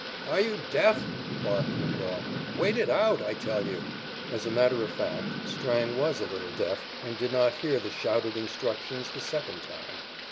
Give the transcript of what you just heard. "Are you deaf?" barked McGraw. "Wait it out, I tell you." As a matter of fact, Strang was a little deaf and did not hear the shouted instructions the second time.